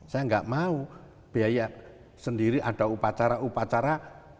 saya nggak mau biaya sendiri ada upacara upacara